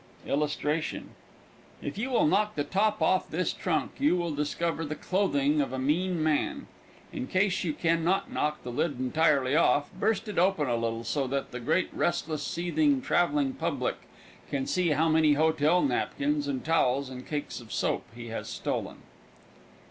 If you will knock the top off this trunk you will discover the clothing of a mean man. In case you can not knock the lid entirely off, burst it open a little so that the great, restless, seething traveling public can see how many hotel napkins and towels and cakes of soap he has stolen.